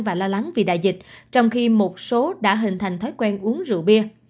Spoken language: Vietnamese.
và lo lắng vì đại dịch trong khi một số đã hình thành thói quen uống rượu bia